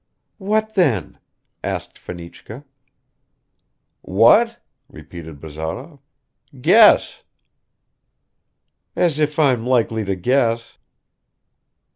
"What then?" asked Fenichka. "What?" repeated Bazarov. "Guess." "As if I'm likely to guess."